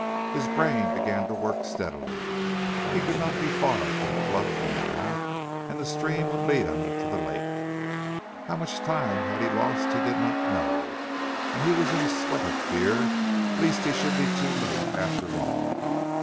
His brain began to work steadily. He could not be far from the bluff now, and the stream would lead him to the lake. How much time he had lost he did not know, and he was in a sweat of fear lest he should be too late after all.